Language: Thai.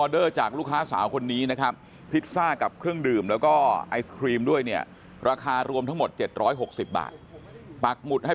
ดูสิดูสิดูสิดูสิดูสิดูสิดูสิดูสิดูสิ